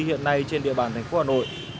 hiện nay trên địa bàn thành phố hà nội